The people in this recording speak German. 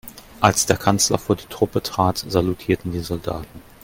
Als der Kanzler vor die Truppe trat, salutierten die Soldaten.